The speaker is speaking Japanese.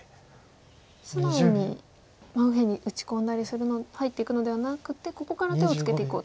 素直に真上に打ち込んだりする入っていくのではなくてここから手をつけていこうと。